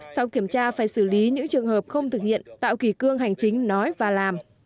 sau kiểm tra phải xử lý những trường hợp không thực hiện tạo kỳ cương hành chính nói và làm